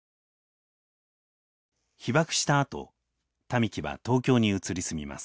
被爆したあと民喜は東京に移り住みます。